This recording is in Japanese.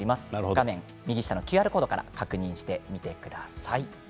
画面右下のＱＲコードから確認してみてください。